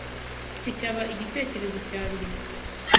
Icyo cyaba igitekerezo cyanjye.